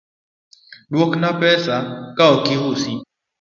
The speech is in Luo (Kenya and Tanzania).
Dwokna pesa na ka ok iusi.